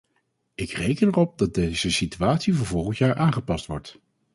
Ik reken erop dat deze situatie voor volgend jaar aangepast wordt.